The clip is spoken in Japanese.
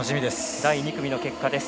第２組の結果です。